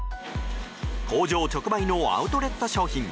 工場直売のアウトレット商品。